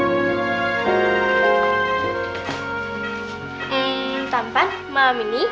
hmm tampan malam ini